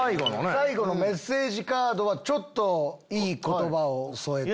最後のメッセージカードはちょっといい言葉を添えて。